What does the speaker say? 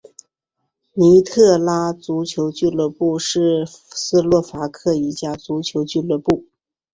尼特拉足球俱乐部是斯洛伐克的一家足球俱乐部。